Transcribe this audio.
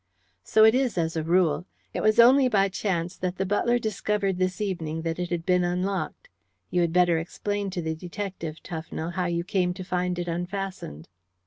"So it is, as a rule. It was only by chance that the butler discovered this evening that it had been unlocked. You had better explain to the detective, Tufnell, how you came to find it unfastened."